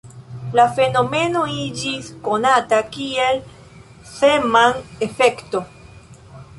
La fenomeno iĝis konata kiel Zeeman-efekto.